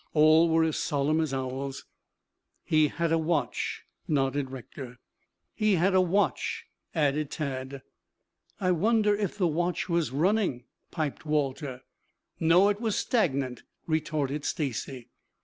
All were as solemn as owls. "He had a watch," nodded Rector. "He had a watch," added Tad. "I wonder if the watch was running?" piped Walter. "No, it was stagnant," retorted Stacy.